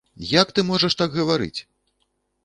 Як ты можаш так гаварыць!